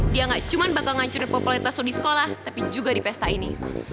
dia ga cuma bakal ngancurin populeritas lo di sekolah tapi juga di pesta ini